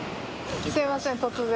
すいません突然。